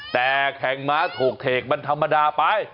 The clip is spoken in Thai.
แต่แข่งม้าโถกเทคมันธรรมดาไป